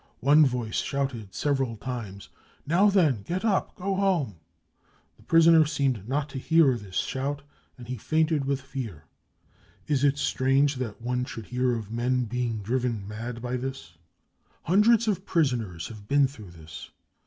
One voice shouted several times :' Now then, get up ! Go home ! 9 The prisoner seemed not to hear this shout ; he had fainted with fear. Is it strange that one should hear of men being driven mad by this ? 55 Hundreds of prisoners have been through this.